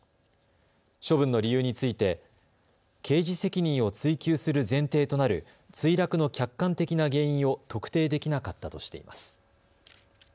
処分の理由について刑事責任を追及する前提となる墜落の客観的な原因を特定できなかったとしています。